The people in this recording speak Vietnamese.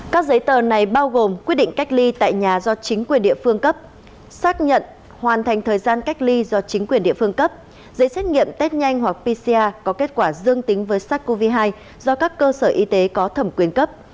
các giấy tờ này bao gồm quyết định cách ly tại nhà do chính quyền địa phương cấp xác nhận hoàn thành thời gian cách ly do chính quyền địa phương cấp giấy xét nghiệm test nhanh hoặc pcr có kết quả dương tính với sars cov hai do các cơ sở y tế có thẩm quyền cấp